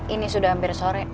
ini sudah hampir sore